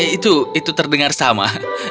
iya iya itu terdengar sama